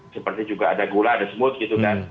seperti juga ada gula ada smooth gitu kan